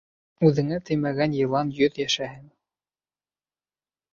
Үҙеңә теймәгән йылан йөҙ йәшәһен.